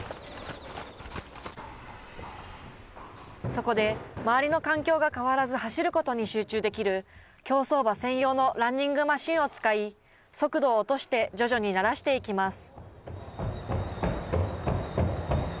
そこで、周りの環境が変わらず走ることに集中できる、競走馬専用のランニングマシーンを使い、速度を落として徐々に慣らしていきます。